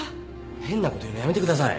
変なこと言うのやめてください。